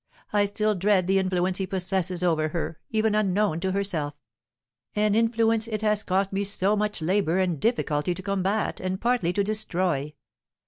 I still dread the influence he possesses over her, even unknown to herself, an influence it has cost me so much labour and difficulty to combat, and partly to destroy.